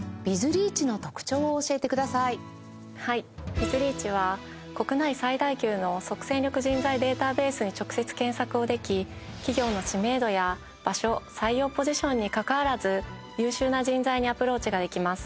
ビズリーチは国内最大級の即戦力人材データベースに直接検索でき企業の知名度や場所採用ポジションにかかわらず優秀な人材にアプローチができます。